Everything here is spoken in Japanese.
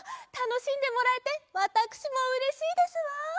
たのしんでもらえてわたくしもうれしいですわ！